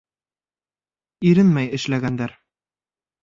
— Иренмәй эшләгәндәр.